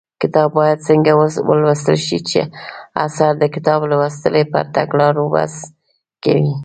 کتاب باید څنګه ولوستل شي اثر د کتاب لوستنې پر تګلارو بحث کوي